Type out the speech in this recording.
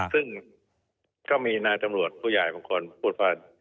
ซึ่งก็มีนายตำรวจผู้ใหญ่บางคนพูดว่า